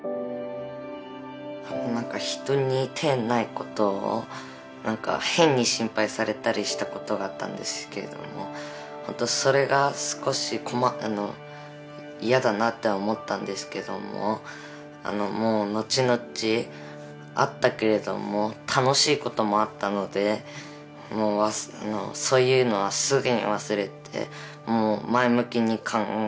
人に手ないことを変に心配されたりしたことがあったんですけどもそれが少し嫌だなって思ったんですけどももうのちのちあったけれども楽しいこともあったのでそういうのはすぐに忘れて前向きに考えるようになりました。